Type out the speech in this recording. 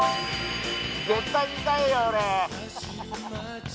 絶対見たいよ俺。